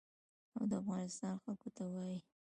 او د افغانستان خلکو ته وايي.